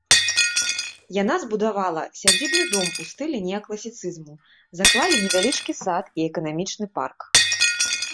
Яна збудавалі сядзібны дом у стылі неакласіцызму, заклалі невялічкі сад і эканамічны парк.